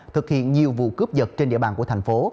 thực hiện nhiều vụ cướp giật trên địa bàn của thành phố